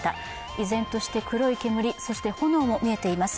依然として黒い煙そして炎も見えています。